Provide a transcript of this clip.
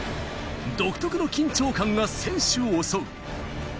独特の緊張感が選手を襲う。